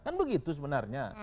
kan begitu sebenarnya